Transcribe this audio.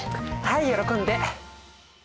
はい喜んで。